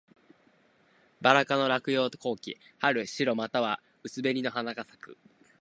ばら科の落葉高木。春、白または薄紅の花が咲く。